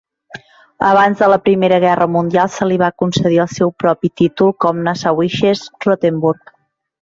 Abans de la Primera Guerra Mundial, se li va concedir el seu propi títol com "Nassauisches Rothenburg".